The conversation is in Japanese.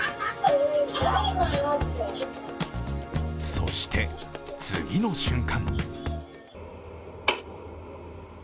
そして次の瞬間。